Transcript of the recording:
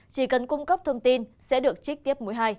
chỉ cần cung cấp thông tin sẽ được trích tiếp mũi hai